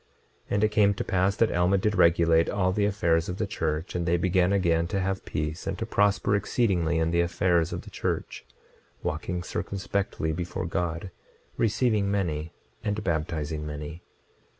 26:37 And it came to pass that Alma did regulate all the affairs of the church; and they began again to have peace and to prosper exceedingly in the affairs of the church, walking circumspectly before God, receiving many, and baptizing many.